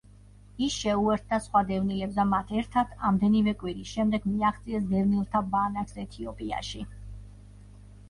ის შეუერთდა სხვა დევნილებს და მათ ერთად, ამდენიმე კვირის შემდეგ, მიაღწიეს დევნილთა ბანაკს ეთიოპიაში.